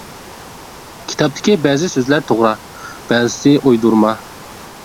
كىتابتىكى بەزى سۆزلەر توغرا، بەزىسى ئويدۇرما.